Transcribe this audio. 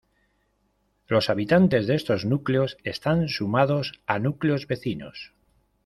Los habitantes de estos núcleos están sumados a núcleos vecinos.